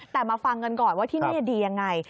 แต่มาฟังกันก่อนว่าที่นี่ดียังไง